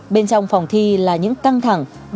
bên trong phòng thi là những căng thẳng